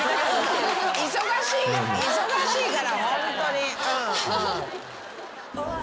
忙しいからホントに。